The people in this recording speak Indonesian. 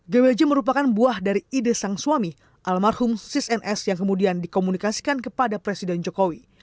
gwj merupakan buah dari ide sang suami almarhum sis ns yang kemudian dikomunikasikan kepada presiden jokowi